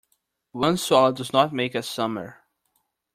One swallow does not make a summer.